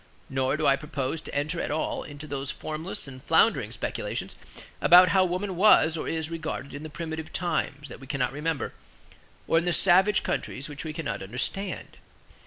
Nor do I propose to enter at all into those formless and floundering speculations about how woman was or is regarded in the primitive times that we cannot remember, or in the savage countries which we cannot understand.